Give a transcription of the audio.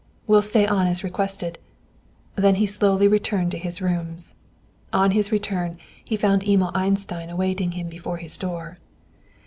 Will stay on as requested," and then he slowly returned to his rooms. On his return he found Emil Einstein awaiting him before his door.